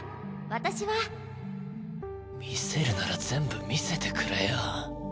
私は見せるなら全部見せてくれよ